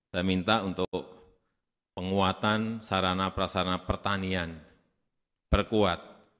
saya minta untuk penguatan sarana prasarana pertanian berkuat